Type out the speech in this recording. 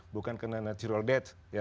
bukan karena natural death